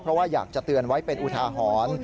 เพราะว่าอยากจะเตือนไว้เป็นอุทาหรณ์